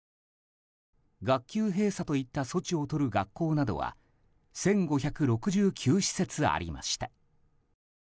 学級閉鎖といった措置をとる学校などは１５６９施設ありました。